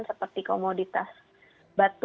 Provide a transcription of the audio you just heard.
seperti komoditas batu